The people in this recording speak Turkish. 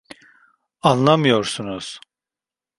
Anlamıyorsunuz.